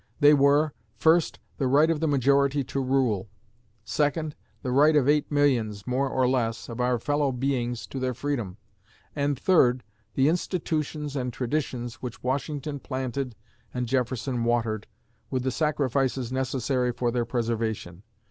They were: first, the right of the majority to rule; second, the right of eight millions, more or less, of our fellow beings to their freedom; and, third, the institutions and traditions which Washington planted and Jefferson watered, with the sacrifices necessary for their preservation.